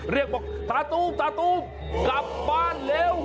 เรียกบอกตาตุ้มกลับบ้านเร็ว